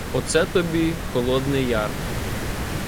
— Оце тобі Холодний яр.